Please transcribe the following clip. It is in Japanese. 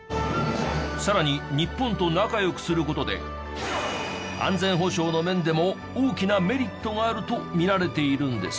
さらに日本と仲良くする事で安全保障の面でも大きなメリットがあると見られているんです。